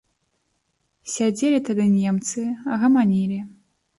Сядзелі тады немцы, гаманілі.